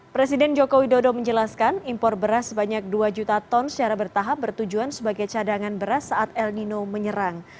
presiden joko widodo menjelaskan impor beras sebanyak dua juta ton secara bertahap bertujuan sebagai cadangan beras saat el nino menyerang